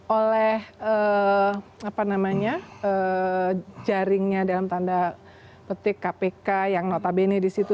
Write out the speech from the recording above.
oleh jaringnya dalam tanda petik kpk yang notabene di situ